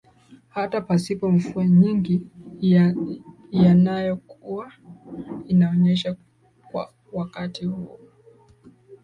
Hta pasipo mvua nyingi ianayokuwa inanyesha kwa wakati huo